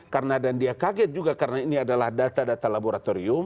karena dan dia kaget juga karena ini adalah data data laboratorium